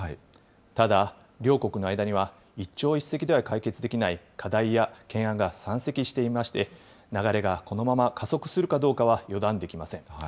ただ、両国の間には一朝一夕では解決できない課題や懸案が山積していまして、流れがこのまま加速するかどうかは予断できません。